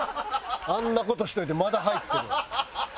あんな事しといてまだ入ってるわ。